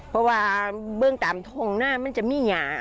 เพราะว่าเบื้องตามทงหน้ามันจะมีหยา